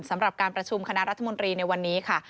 สำหรับการประชุมคณะรัฐมนตรีในวันนี้ค่ะ